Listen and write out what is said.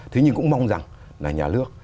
thế nhưng cũng mong rằng là nhà nước